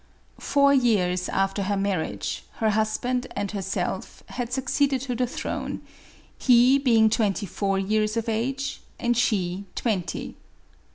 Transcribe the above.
Four years after her marriage, her husband and herself had succeeded to the throne, he being twenty four years of age and she twenty.